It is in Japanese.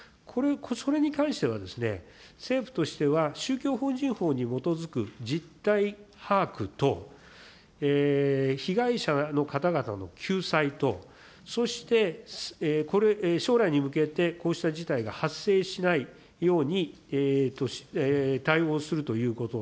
それに関しては、政府としては宗教法人法に基づく実態把握と、被害者の方々の救済と、そして、将来に向けて、こうした事態が発生しないように対応するということ。